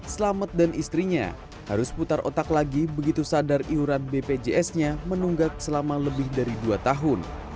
selamet dan istrinya harus putar otak lagi begitu sadar iuran bpjs nya menunggak selama lebih dari dua tahun